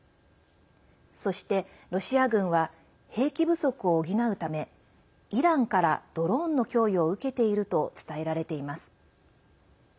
そして、ロシア軍は兵器不足を補うためイランからドローンの供与を受けていると伝えられています。